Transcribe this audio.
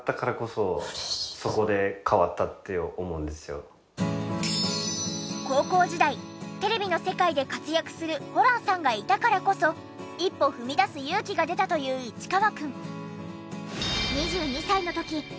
ホランさんが高校時代テレビの世界で活躍するホランさんがいたからこそ一歩踏み出す勇気が出たという市川くん。